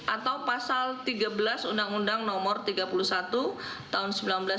atau pasal tiga belas undang undang nomor tiga puluh satu tahun seribu sembilan ratus sembilan puluh